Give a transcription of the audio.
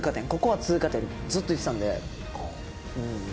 ずっと言ってたんで。